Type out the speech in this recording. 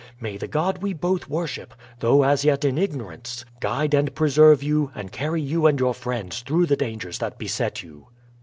May the God we both worship, though as yet in ignorance, guide and preserve you and carry you and your friends through the dangers that beset you."